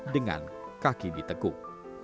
dengan kaki diteguk